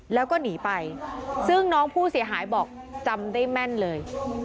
แล้วก็หนีไปซึ่งน้องผู้เสียหายบอกจำได้แม่นเลย